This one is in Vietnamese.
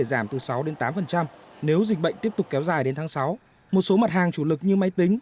giảm từ sáu tám nếu dịch bệnh tiếp tục kéo dài đến tháng sáu một số mặt hàng chủ lực như máy tính